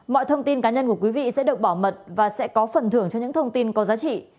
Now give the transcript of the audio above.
mọi thông tin cá nhân của quý vị sẽ được bảo mật và sẽ có phần thưởng cho những thông tin có giá trị